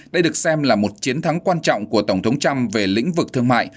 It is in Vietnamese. đây được xem là một chiến thắng quan trọng của tổng thống trump về lĩnh vực thương mại